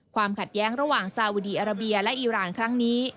ความขัดแย้งระหว่างซาอุดีอาราเบียและอีรานครั้งนี้